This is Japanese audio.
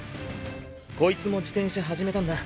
こいつも自転車はじめたんだ。